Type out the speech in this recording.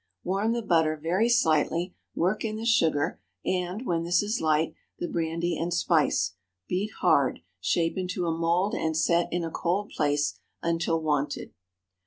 Warm the butter very slightly, work in the sugar, and, when this is light, the brandy and spice. Beat hard—shape into a mould and set in a cold place until wanted.